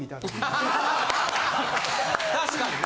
確かにな。